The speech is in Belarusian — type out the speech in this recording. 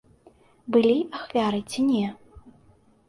Былі ахвяры ці не?